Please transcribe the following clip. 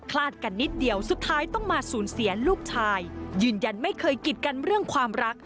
ลาดกันนิดเดียวสุดท้ายต้องมาสูญเสียลูกชายยืนยันไม่เคยกิดกันเรื่องความรัก